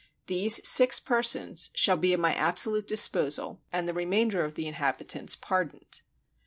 These six persons shall 181 FRANCE be at my absolute disposal, and the remainder of the inhabitants pardoned."